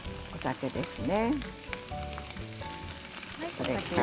お酒ですね。